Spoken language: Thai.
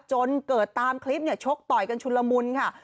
จนเกิดตามคลิปเนี่ยชกต่อยกันชุนละมุนค่ะ